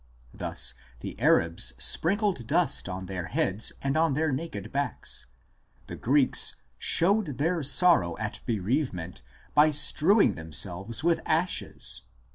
Thus, the Arabs sprinkled dust on their heads and on their naked backs l ; the Greeks " showed their sorrow at bereavement by strew 1 Wellhausen, op. cit., p. 177.